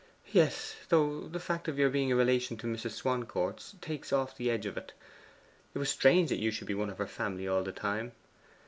'Yes: though the fact of your being a relation of Mrs. Swancourt's takes off the edge of it. It was strange that you should be one of her family all the time.